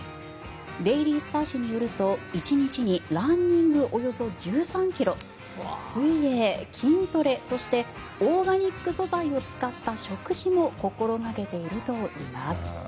デイリースター紙によると１日にランニングおよそ１３ｋｍ水泳、筋トレ、そしてオーガニック素材を使った食事も心掛けているといいます。